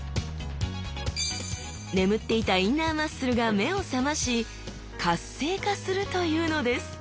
眠っていたインナーマッスルが目を覚まし活性化するというのです！